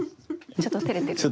ちょっと照れてる。